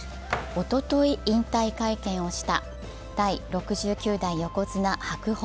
おととい引退会見をした第６９代横綱・白鵬。